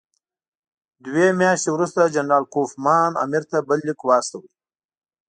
دوه میاشتې وروسته جنرال کوفمان امیر ته بل لیک واستاوه.